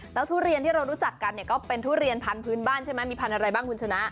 แล้วทุเรียนที่เรารู้จักกันเนี่ยก็เป็นทุเรียนพันธุ์บ้านใช่ไหมมีพันธุ์อะไรบ้างคุณชนะ